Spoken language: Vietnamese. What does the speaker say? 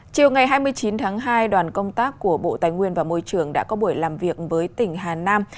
chiều ngày hai mươi chín tháng hai đoàn công tác của bộ tài nguyên và môi trường đã có buổi làm việc với tỉnh hà nam